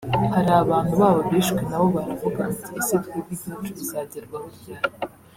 hari abantu babo bishwe nabo baravuga bati ese twebwe ibyacu bizagerwaho ryari